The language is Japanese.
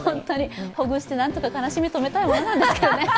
ほぐしてなんとか悲しみを止めたいものですけどね。